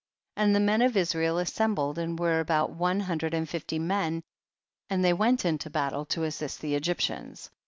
21. And the men of Israel assem bled and were about* one hinidred and fifty men, and they went into battle to assist the Egyptians.